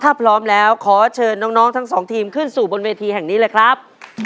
ถ้าพร้อมแล้วขอเชิญน้องทั้งสองทีมขึ้นสู่บนเวทีแห่งนี้เลยครับ